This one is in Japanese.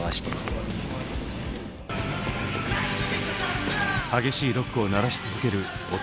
激しいロックを鳴らし続ける男闘呼組。